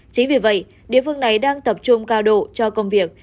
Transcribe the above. chính vì vậy địa phương này đang tập trung cao độ cho công việc